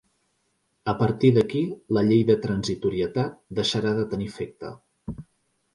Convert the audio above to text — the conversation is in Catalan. A partir d’aquí la llei de transitorietat deixarà de tenir efecte.